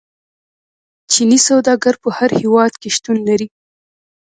چیني سوداګر په هر هیواد کې شتون لري.